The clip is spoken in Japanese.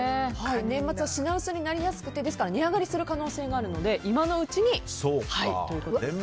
年末は品薄になりやすくて値上がりする可能性があるので今のうちに、ということです。